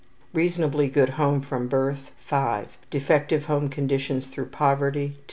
Reasonably good home from birth ............... .5 Defective home conditions through poverty .